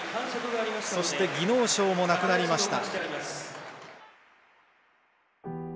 そして技能賞もなくなりました。